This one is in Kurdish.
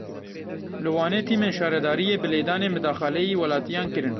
Li Wanê tîmên şaredariyê bi lêdanê midexaleyî welatiyan kirin.